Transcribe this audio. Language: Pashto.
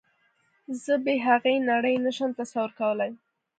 زه بې هغې نړۍ نشم تصور کولی